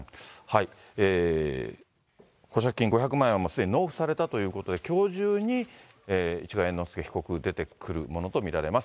保釈金５００万円はすでに納付されたということで、きょう中に市川猿之助被告、出てくるものと見られます。